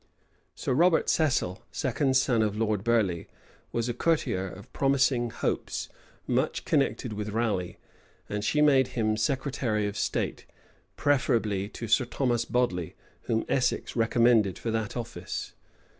Sir Robert Cecil, second son of Lord Burleigh, was a courtier of promising hopes, much connected with Raleigh; and she made him secretary of state, preferably to Sir Thomas Bodley, whom Essex recommended for that office.